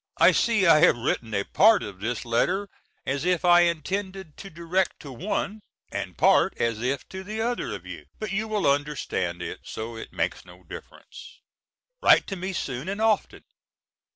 I see I have written a part of this letter as if I intended to direct to one, and part as if to the other of you; but you will understand it, so it makes no difference. Write to me soon and often.